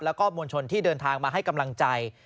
แล้วก็มวลชนที่เดินทางมาให้กำลังใจ